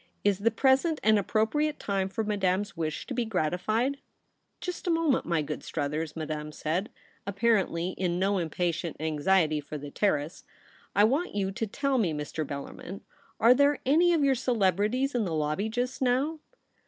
' Is the present an appro priate time for Madame's wish to be grati fied r 'Just a moment, my good Struthers,' Madame said, apparently in no impatient anxiety for the Terrace. * I want you to tell me, Mr. Bellarmin ; are there any of your celebrities in the lobby just now